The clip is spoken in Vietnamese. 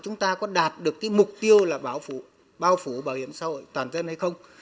chúng ta có đạt được cái mục tiêu là bảo phủ bảo hiểm xã hội toàn dân hay không